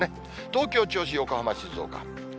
東京、銚子、横浜、静岡。